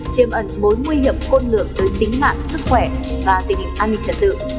tiêm ẩn mối nguy hiểm côn lượng tới tính mạng sức khỏe và tình hình an ninh trật tự